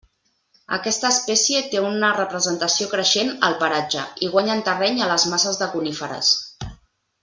Aquesta espècie té una representació creixent al paratge, i guanyen terreny a les masses de coníferes.